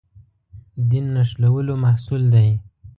دین نښلولو محصول دی.